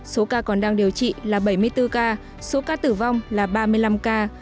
số ca còn đang điều trị là bảy mươi bốn ca số ca tử vong là ba mươi năm ca